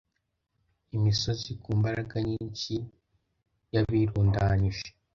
imisozi ku mbaraga nyinshi Yabirundanyije